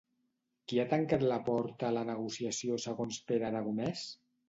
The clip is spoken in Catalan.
Qui ha tancat la porta a la negociació segons Pere Aragonès?